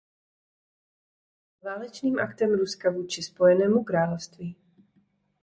Tato vražda byla válečným aktem Ruska vůči Spojenému království.